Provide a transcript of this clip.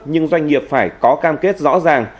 nhưng doanh nghiệp phải có cam kết rõ ràng